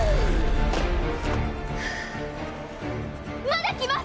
まだ来ます！